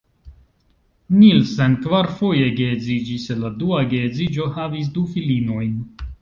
Nielsen kvarfoje geedziĝis, el la dua geedziĝo havis du filinojn.